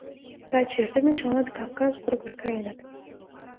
— Таче эрдене чыланат Кавказ курыкыш каеныт.